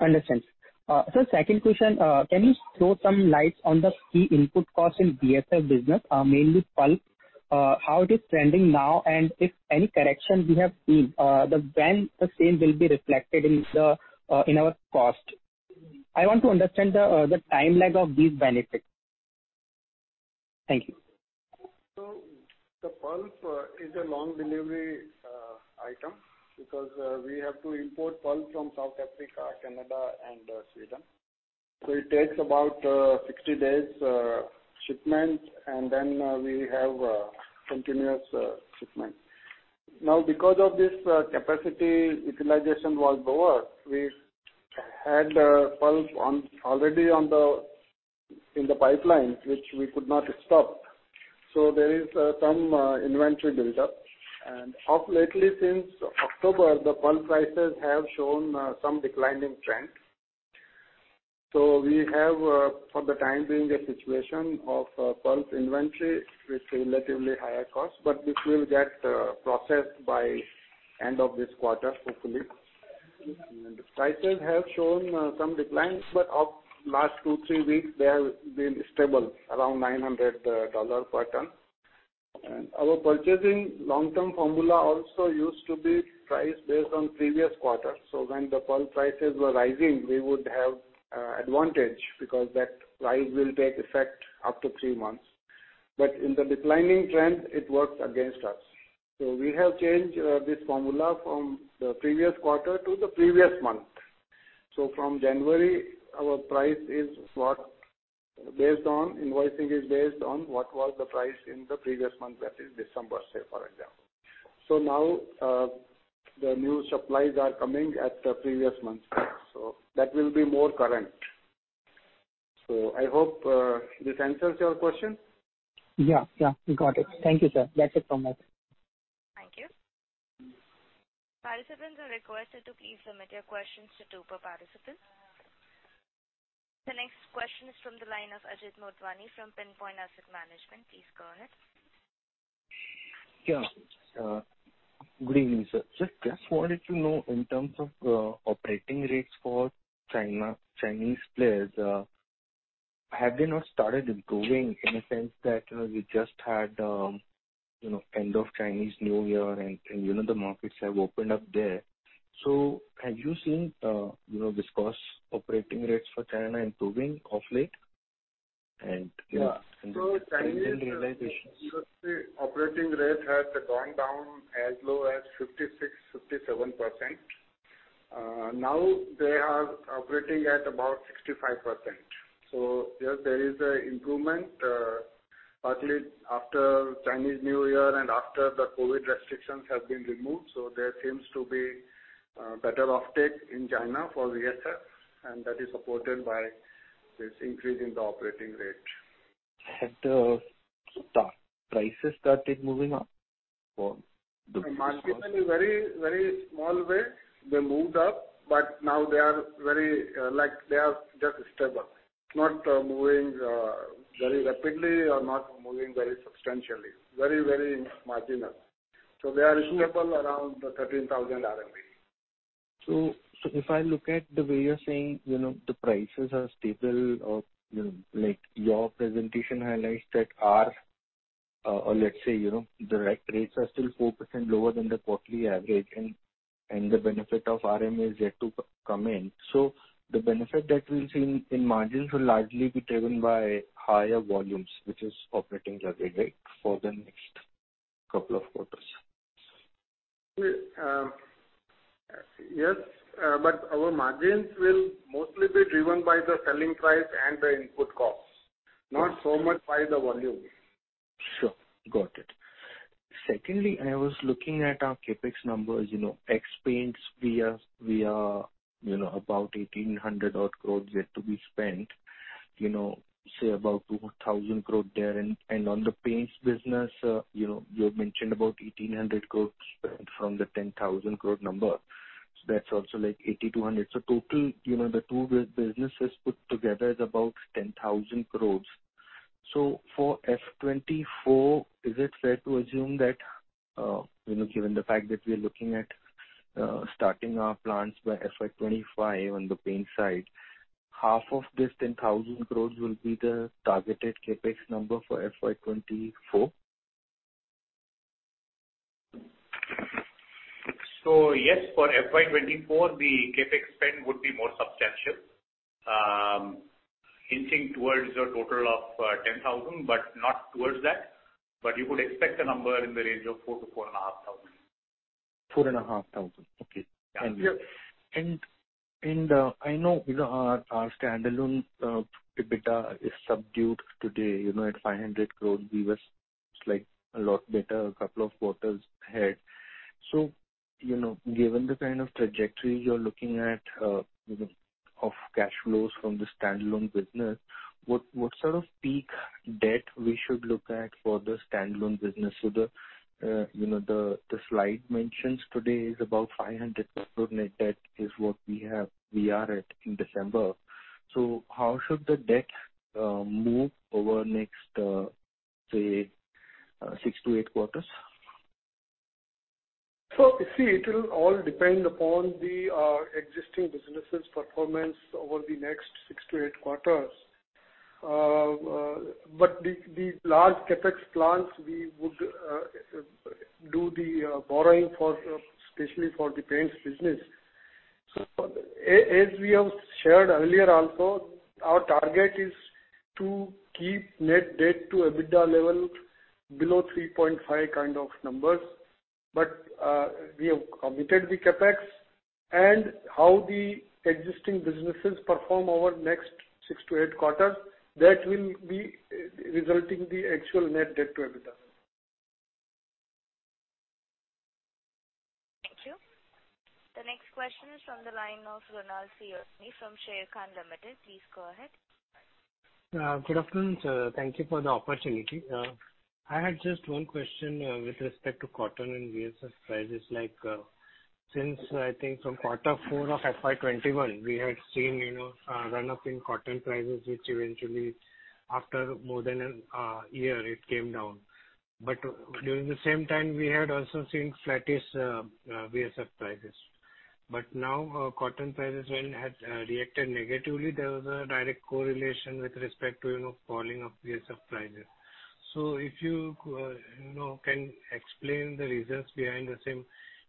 Understand. Sir, second question. Can you throw some light on the key input costs in VSF business, mainly pulp? How it is trending now, and if any correction we have seen, when the same will be reflected in our cost? I want to understand the time lag of these benefits. Thank you. The pulp is a long delivery item because we have to import pulp from South Africa, Canada and Sweden. It takes about 60 days shipment, and then we have continuous shipment. Because of this, capacity utilization was lower, we had pulp already on the in the pipeline, which we could not stop. There is some inventory built up. Of lately, since October, the pulp prices have shown some declining trend. We have, for the time being, a situation of pulp inventory with relatively higher cost. This will get processed by end of this quarter, hopefully. Prices have shown some declines, but of last two, three weeks they have been stable around $900 per ton. Our purchasing long-term formula also used to be priced based on previous quarter. When the pulp prices were rising, we would have advantage because that price will take effect after three months. In the declining trend, it works against us. We have changed this formula from the previous quarter to the previous month. From January, our price is what based on, invoicing is based on what was the price in the previous month, that is December, say, for example. Now, the new supplies are coming at the previous month's price, so that will be more current. I hope this answers your question. Yeah. Yeah, got it. Thank you, sir. That's it from my side. Thank you. Participants are requested to please limit your questions to two per participant. The next question is from the line of Ajit Motwani from Pinpoint Asset Management. Please go ahead. Good evening, sir. Just wanted to know in terms of operating rates for China, Chinese players, have they not started improving in the sense that, you just had, you know, end of Chinese New Year and, you know, the markets have opened up there. Have you seen, you know, viscose operating rates for China improving of late? And, you know, Yeah. The realization. You would say operating rate has gone down as low as 56%-57%. Now they are operating at about 65%. Yes, there is an improvement, partly after Chinese New Year and after the COVID restrictions have been removed. There seems to be better offtake in China for VSF, and that is supported by this increase in the operating rate. Have the prices started moving up for the viscose? Marginally, very, very small way they moved up. Now they are very, like they are just stable. It's not moving very rapidly or not moving very substantially. Very, very marginal. They are stable around the 13,000 RMB. If I look at the way you're saying, you know, the prices are stable or, you know, like your presentation highlights that our, or let's say, you know, the rates are still 4% lower than the quarterly average and the benefit of RMA is yet to come in. The benefit that we'll see in margins will largely be driven by higher volumes, which is operating leverage, right? For the next couple of quarters. We, yes, our margins will mostly be driven by the selling price and the input costs, not so much by the volume. Sure. Got it. Secondly, I was looking at our CapEx numbers, you know, ex paints we are, you know, about 1,800 odd crores yet to be spent. You know, say about 2,000 crore there. On the paints business, you know, you had mentioned about 1,800 crores spent from the 10,000 crore number. That's also like 8,200 crores. Total, you know, the two businesses put together is about 10,000 crores. For FY 2024, is it fair to assume that, you know, given the fact that we are looking at starting our plants by FY 2025 on the paint side, half of this 10,000 crores will be the targeted CapEx number for FY 2024? Yes, for FY 2024 the CapEx spend would be more substantial, inching towards a total of 10,000, but not towards that. You could expect a number in the range of 4,000-4,500. 2,500. Okay. Yeah. Thank you. I know, you know, our standalone EBITDA is subdued today, you know, at 500 crore. We were like a lot better a couple of quarters ahead. You know, given the kind of trajectory you're looking at, you know, of cash flows from the standalone business, what sort of peak debt we should look at for the standalone business? The, you know, the slide mentions today is about 500 crore net debt is what we have, we are at in December. How should the debt move over next, say, 6-8 quarters? See, it will all depend upon the existing businesses' performance over the next 6 to 8 quarters. The large CapEx plans we would do the borrowing for, especially for the paints business. As we have shared earlier also, our target is to keep net debt to EBITDA level below 3.5 kind of numbers. We have committed the CapEx and how the existing businesses perform over next six to eight quarters, that will be resulting the actual net debt to EBITDA. Thank you. The next question is from the line of Ronald Siyoni from Sharekhan Limited. Please go ahead. Good afternoon, sir. Thank you for the opportunity. I had just one question with respect to cotton and VSF prices like, since I think from Q4 of FY 2021, we had seen, you know, run-up in cotton prices, which eventually after more than a year it came down. During the same time, we had also seen flattish VSF prices. Now, cotton prices when had reacted negatively, there was a direct correlation with respect to, you know, falling of VSF prices. If you know, can explain the reasons behind the same.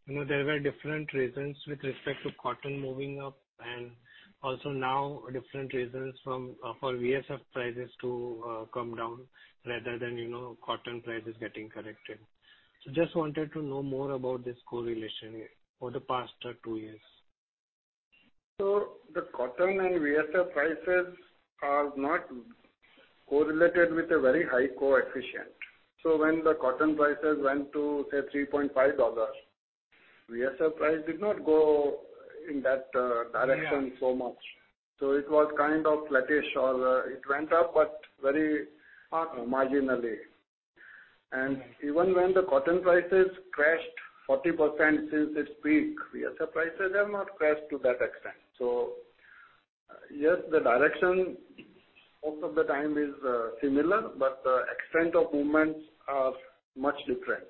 There were different reasons with respect to cotton moving up and also now different reasons from for VSF prices to come down rather than, you know, cotton prices getting corrected. Just wanted to know more about this correlation for the past, two years. The cotton and VSF prices are not correlated with a very high coefficient. When the cotton prices went to, say $3.5, VSF price did not go in that direction so much. Yeah. It was kind of flattish or, it went up, but very marginally. Even when the cotton prices crashed 40% since its peak, VSF prices have not crashed to that extent. Yes, the direction most of the time is similar, but the extent of movements are much different.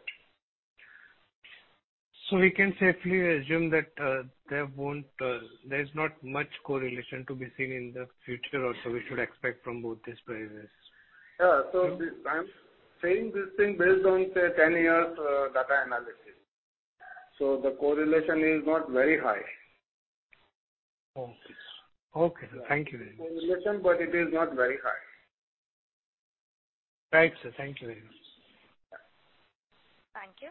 We can safely assume that there's not much correlation to be seen in the future also we should expect from both these prices. Yeah. I'm saying this thing based on, say 10 years, data analysis. The correlation is not very high. Okay. Okay. Thank you very much. Correlation, but it is not very high. Right, sir. Thank you very much. Thank you.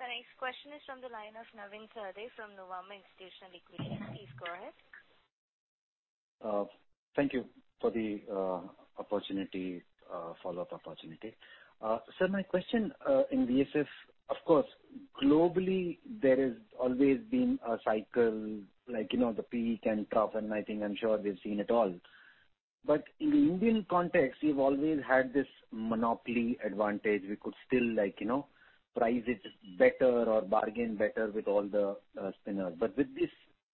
The next question is from the line of Navin Sahadeo from Nuvama Institutional Equity. Please go ahead. Thank you for the opportunity, follow-up opportunity. Sir, my question in VSF, of course, globally there has always been a cycle like, you know, the peak and trough, and I think I'm sure we've seen it all. In the Indian context, you've always had this monopoly advantage. We could still like, you know, price it better or bargain better with all the spinners. With this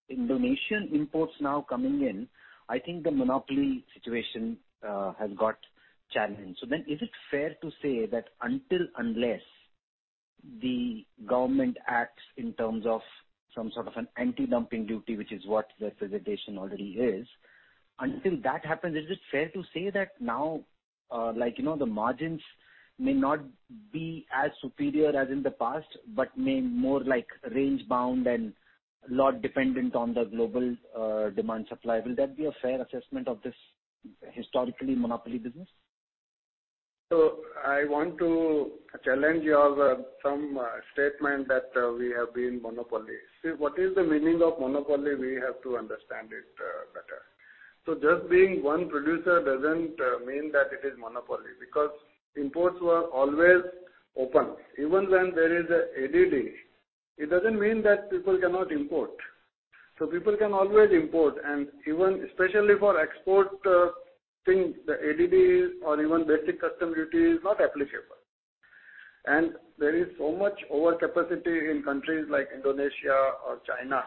Indonesian imports now coming in, I think the monopoly situation has got challenged. Is it fair to say that until unless the government acts in terms of some sort of an anti-dumping duty, which is what the presentation already is, until that happens, is it fair to say that now, like you know, the margins may not be as superior as in the past, but may more like range bound and lot dependent on the global, demand supply? Will that be a fair assessment of this historically monopoly business? I want to challenge your some statement that we have been monopoly. See, what is the meaning of monopoly? We have to understand it better. Just being one producer doesn't mean that it is monopoly because imports were always open. Even when there is a ADD, it doesn't mean that people cannot import. People can always import and even especially for export things the ADD or even basic custom duty is not applicable. There is so much overcapacity in countries like Indonesia or China.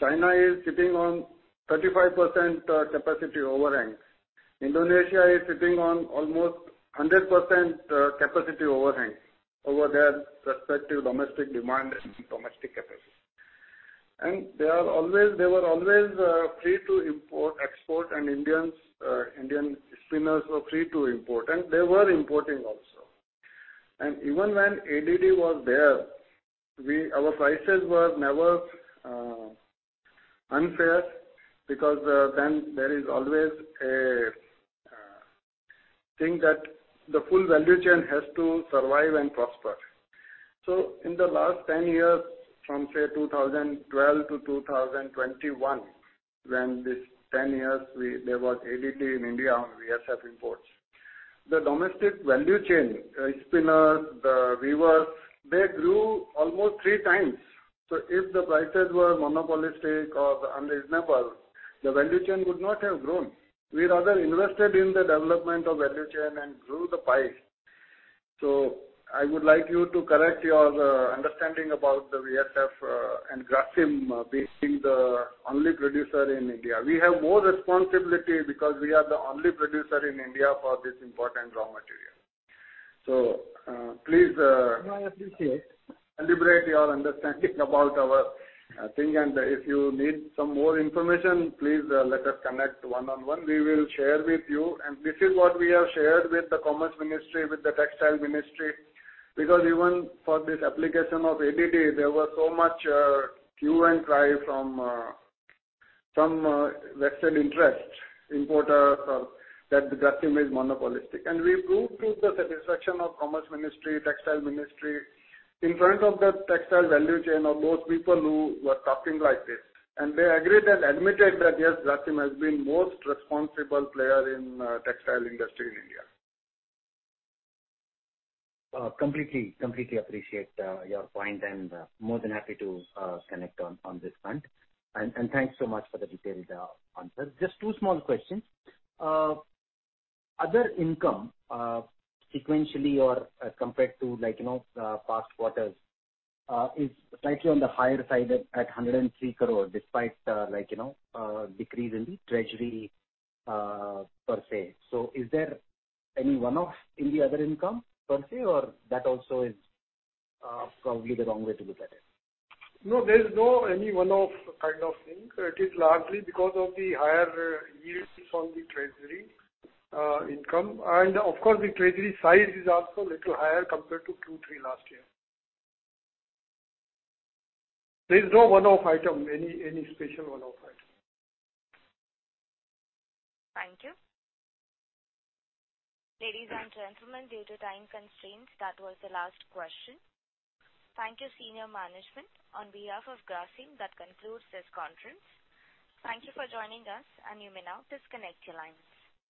China is sitting on 35% capacity overhang. Indonesia is sitting on almost 100% capacity overhang over their respective domestic demand and domestic capacity. They were always free to import, export and Indian spinners were free to import, and they were importing also. Even when ADD was there, our prices were never unfair because then there is always a thing that the full value chain has to survive and prosper. In the last 10 years from say 2012 to 2021, when this 10 years there was ADD in India on VSF imports. The domestic value chain, spinners, the weavers, they grew almost three times. If the prices were monopolistic or unreasonable, the value chain would not have grown. We rather invested in the development of value chain and grew the pie. I would like you to correct your understanding about the VSF and Grasim being the only producer in India. We have more responsibility because we are the only producer in India for this important raw material. Please. No, absolutely, yes. Deliberate your understanding about our thing. If you need some more information, please let us connect one on one. We will share with you. This is what we have shared with the Commerce Ministry, with the Textile Ministry. Because even for this application of ADD there was so much hue and cry from vested interest importers of that Grasim is monopolistic. We proved to the satisfaction of Commerce Ministry, Textile Ministry in front of the textile value chain of those people who were talking like this. They agreed and admitted that, yes, Grasim has been most responsible player in textile industry in India. Completely appreciate your point and more than happy to connect on this front. Thanks so much for the detailed answer. Just two small questions. Other income, sequentially or compared to like, you know, past quarters, is slightly on the higher side at 103 crore despite, like you know, decrease in the treasury, per se. Is there any one-off in the other income per se or that also is probably the wrong way to look at it? No, there's no any one-off kind of thing. It is largely because of the higher yields from the treasury, income. Of course the treasury size is also little higher compared to Q3 last year. There is no one-off item, any special one-off item. Thank you. Ladies and gentlemen, due to time constraints, that was the last question. Thank you, senior management. On behalf of Grasim, that concludes this conference. Thank you for joining us, and you may now disconnect your lines.